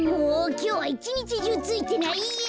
きょうはいちにちじゅうついてないや。